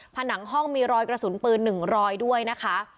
ผนังห้องมีรอยกระสุนปืน๑รอยด้วยนะคะ